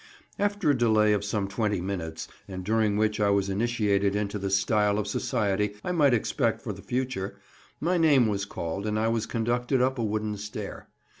After a delay of some twenty minutes, and during which I was initiated into the style of society I might expect for the future, my name was called and I was conducted up a wooden stair.